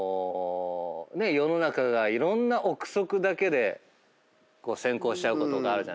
世の中がいろんな臆測だけで先行しちゃうことがあるじゃないですか。